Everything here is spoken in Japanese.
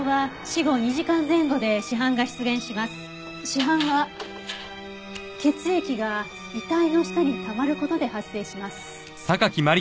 死斑は血液が遺体の下にたまる事で発生します。